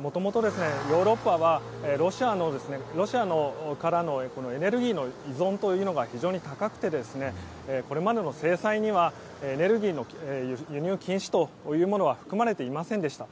もともと、ヨーロッパはロシアからのエネルギーの依存というのが非常に高くてこれまでの制裁にはエネルギーの輸入禁止は含まれていませんでした。